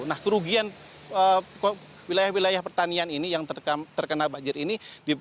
nah kerugian wilayah wilayah pertanian ini yang terkena banjir ini